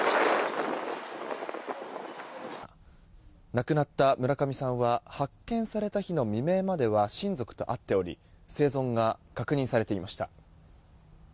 亡くなった村上さんは発見された日の未明までは親族と会っており生存が確認されていました。